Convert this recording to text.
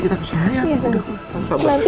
aku mau ke mandi nanti